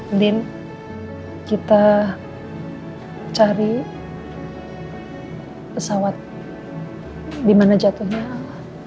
andien kita cari pesawat di mana jatuhnya al